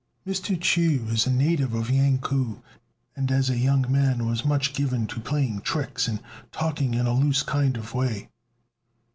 Mr. Chu was a native of Yang ku, and, as a young man, was much given to playing tricks and talking in a loose kind of way.